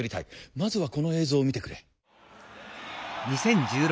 まずはこの映像を見てくれ。